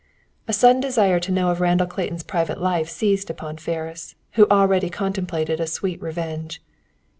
A sudden desire to know of Randall Clayton's private life seized upon Ferris, who already contemplated a sweet revenge.